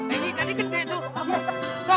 ini tadi gede tuh